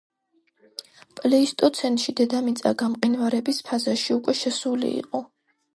პლეისტოცენში დედამიწა გამყინვარების ფაზაში უკვე შესული იყო.